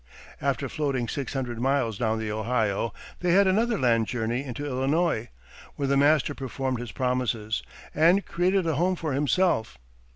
" After floating six hundred miles down the Ohio, they had another land journey into Illinois, where the master performed his promises, and created a home for himself.